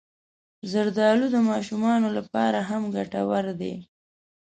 زردالو د ماشومانو لپاره هم ګټور دی.